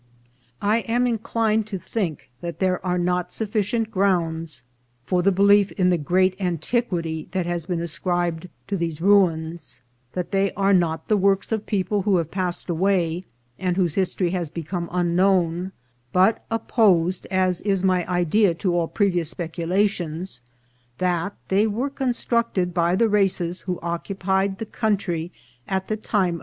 I am inclined to think that there are not sufficient grounds for the belief in the great antiquity that has been ascribed to these ruins ; that they are not the works of people who have passed away, and whose his tory has become unknown ; but, opposed as is my idea to all previous speculations, that they were constructed by the races who occupied the country at the time of COMPARATIVE MODERN DATE OF R U I N S.